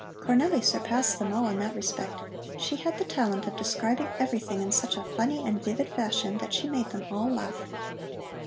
Cornelli surpassed them all in that respect. She had the talent of describing everything in such a funny and vivid fashion that she made them all laugh.